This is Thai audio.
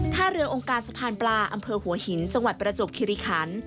ท่าเรือองค์การสะพานปลาอำเภอหัวหินจังหวัดประจวบคิริคัน